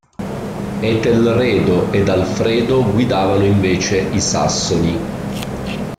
Etelredo ed Alfredo guidavano invece i Sassoni.